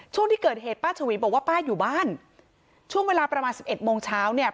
ช่วงที่เกิดเหตุป้าชวีบอกว่าป้าอยู่บ้านช่วงเวลาประมาณสิบเอ็ดโมงเช้าเนี่ย